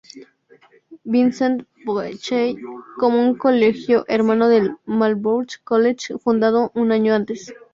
Vincent Beechey, como un colegio hermano del Marlborough College, fundado un año antes.